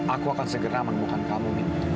aku akan segera membuka kamu